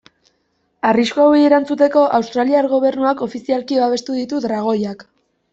Arrisku hauei erantzuteko, australiar gobernuak ofizialki babestu ditu dragoiak.